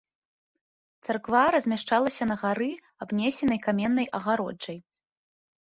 Царква размяшчалася на гары абнесенай каменнай агароджай.